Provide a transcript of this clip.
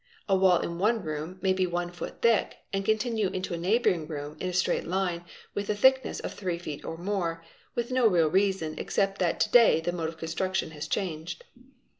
A wall in one room may be one foot thick and contihue into a neighbouring room in a straight line with a thickness of 3 feet or more, with no real reason except that to day the mode of construction has changed.